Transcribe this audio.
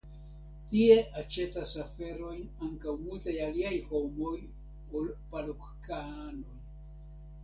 Tie aĉetas aferojn ankaŭ multaj aliaj homoj ol palokkaanoj.